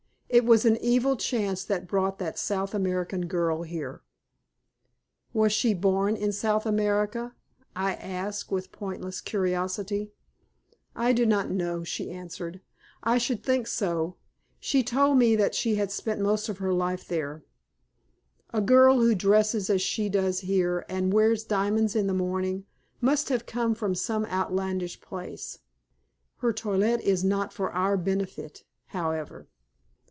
It was an evil chance that brought that South American girl here." "Was she born in South America?" I asked, with pointless curiosity. "I do not know," she answered. "I should think so. She told me that she had spent most of her life there. A girl who dresses as she does here, and wears diamonds in the morning, must have come from some outlandish place. Her toilette is not for our benefit, however."